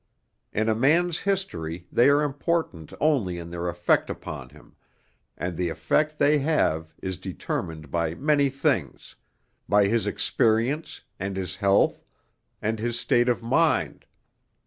In a man's history they are important only in their effect upon him, and the effect they have is determined by many things by his experience, and his health, and his state of mind.